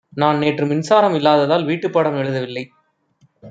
நான் நேற்று மின்சாரம் இல்லாததால் வீட்டுப்பாடம் எழுதவில்லை.